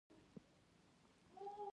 زه يم.